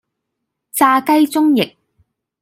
炸雞中翼